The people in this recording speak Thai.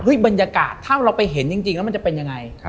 บรรยากาศถ้าเราไปเห็นจริงแล้วมันจะเป็นยังไง